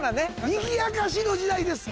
にぎやかしの時代です